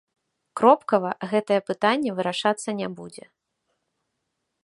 Кропкава гэтае пытанне вырашацца не будзе.